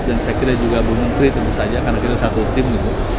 dan saya kira juga bu menteri tentu saja karena kita satu tim gitu